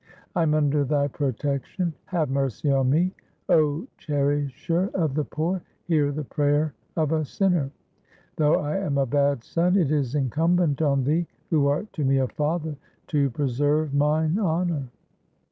' I am under thy protection ; have mercy on me ; 0 cherisher of the poor, hear the prayer of a sinner. Though I am a bad son, it is incumbent on thee, who art to me a father, to pre serve mine honour.'